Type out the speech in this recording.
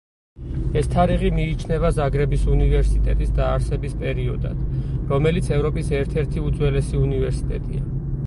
ეს თარიღი მიიჩნევა ზაგრების უნივერსიტეტის დაარსების პერიოდად, რომელიც ევროპის ერთ-ერთი უძველესი უნივერსიტეტია.